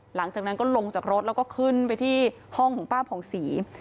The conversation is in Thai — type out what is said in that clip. หลังจากนั้นก็ลงจากรถแล้วก็ขึ้นไปที่ห้องของป้าผ่องศรี